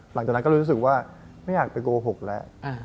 หลังจากนั้นก็เลยรู้สึกว่าไม่อยากไปโกหกแล้ว